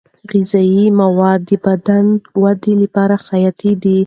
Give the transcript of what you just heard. غذايي مواد د بدن ودې لپاره حیاتي دي.